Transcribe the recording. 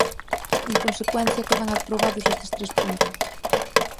En consecuencia, quedan aprobados estes tres puntos.